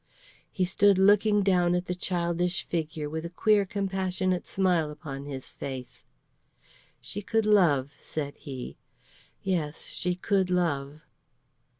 He stood looking down at the childish figure with a queer compassionate smile upon his face. "She could love," said he; "yes, she could love."